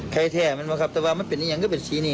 ไข่แท่มันมันครับแต่ว่ามันเป็นอย่างก็เป็นสีนี่